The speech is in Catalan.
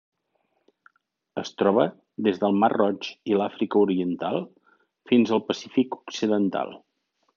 Es troba des del mar Roig i l'Àfrica Oriental fins al Pacífic occidental.